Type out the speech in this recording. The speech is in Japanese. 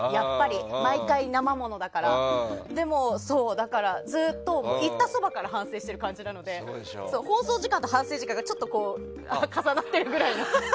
毎回、生ものだからずっと言ったそばから反省している感じなので放送時間と反省時間がちょっと重なってるくらいの。